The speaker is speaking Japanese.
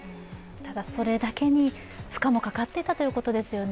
ただ、それだけ負荷もかかっていたということですね。